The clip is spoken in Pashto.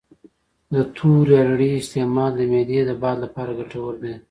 د تورې اریړې استعمال د معدې د باد لپاره ګټور دی